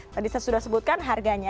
tadi saya sudah sebutkan harganya